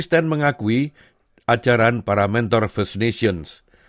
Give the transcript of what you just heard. stand mengakui ajaran para mentor first nations